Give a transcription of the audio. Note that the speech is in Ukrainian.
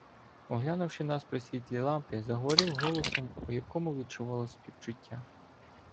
Оглянувши нас при світлі лампи, заговорив голосом, у якому відчувалося співчуття.